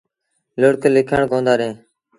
لُڙڪ ليٚکڻ ڪوندآ ڏيݩ۔